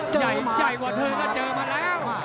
เจอมาเจอมา